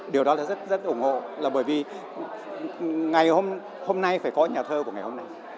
điều đó là rất rất ủng hộ là bởi vì ngày hôm nay phải có nhà thơ của ngày hôm nay